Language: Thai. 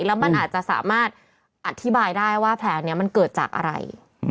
แล้วมันอาจจะสามารถอธิบายได้ว่าแผลนี้มันเกิดจากอะไร